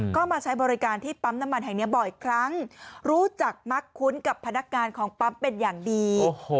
ก็มาใช้บริการที่ปั๊มน้ำมันแห่งนี้บ่อยครั้งรู้จักมักคุ้นกับพนักงานของปั๊มเป็นอย่างดี